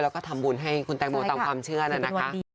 แล้วก็ทำบุญให้คุณแตงโมตามความเชื่อนั่นนะคะ